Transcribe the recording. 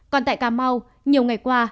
còn tại cà mau nhiều ngày qua